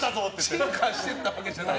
進化したわけじゃない。